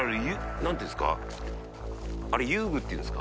何て言うんですか？